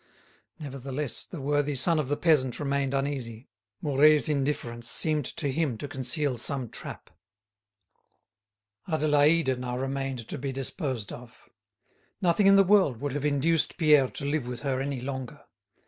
Nevertheless the worthy son of the peasant remained uneasy; Mouret's indifference seemed to him to conceal some trap. Adélaïde now remained to be disposed of. Nothing in the world would have induced Pierre to live with her any longer.